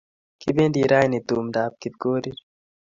Kipendi raini tumdap Kipkorir